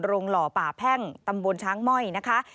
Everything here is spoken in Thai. หล่อป่าแพ่งตำบลช้างม่อยนะคะ